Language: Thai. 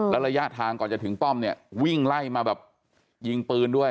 รายละแยะทางก่อนจะถึงป้อมวิ่งไล่มายิงปืนด้วย